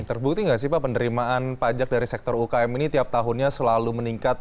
terbukti nggak sih pak penerimaan pajak dari sektor ukm ini tiap tahunnya selalu meningkat